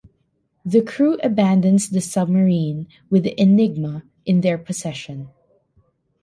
The crew abandons the submarine with the Enigma in their possession.